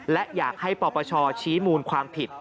และอยากให้ปปชชี้มูลความผิด